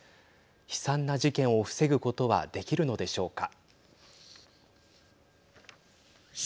悲惨な事件を防ぐことはできるのでしょうか。